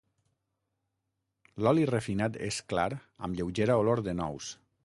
L'oli refinat és clar amb lleugera olor de nous.